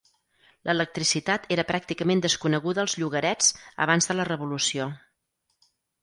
L'electricitat era pràcticament desconeguda als llogarets abans de la revolució.